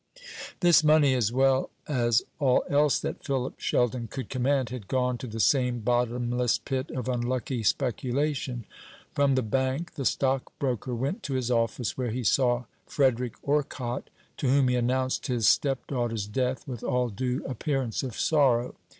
This money, as well as all else that Philip Sheldon could command, had gone to the same bottomless pit of unlucky speculation. From the bank the stockbroker went to his office, where he saw Frederick Orcott, to whom he announced his stepdaughter's death with all due appearance of sorrow.